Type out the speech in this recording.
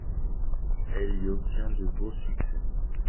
Elle y obtient de beaux succès.